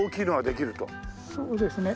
そうですね。